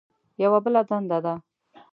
یوه بله دنده ده.